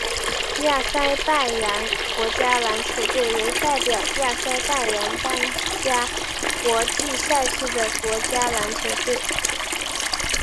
亚塞拜然国家篮球队为代表亚塞拜然参加国际赛事的国家篮球队。